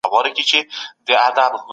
څېړنه د تکنالوژۍ د پرمختګ لپاره حتمي ده.